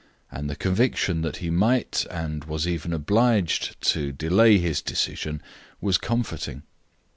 And the conviction that he might, and was even obliged, to delay his decision, was comforting.